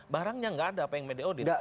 barangnya nggak ada apa yang mau diaudit